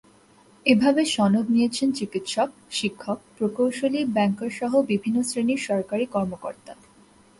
এভাবে সনদ নিয়েছেন চিকিৎসক, শিক্ষক, প্রকৌশলী, ব্যাংকারসহ বিভিন্ন শ্রেণীর সরকারি কর্মকর্তা।